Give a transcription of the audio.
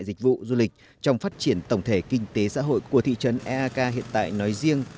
dịch vụ du lịch trong phát triển tổng thể kinh tế xã hội của thị trấn eak hiện tại nói riêng